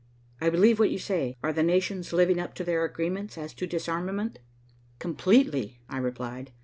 "I believe what you say. Are the nations living up to their agreements as to disarmament?" "Completely," I replied.